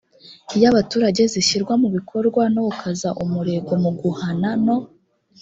y abaturage zishyirwa mu bikorwa no gukaza umurego mu guhana no